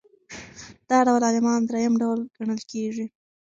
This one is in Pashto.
دا ډول عالمان درېیم ډول ګڼل کیږي.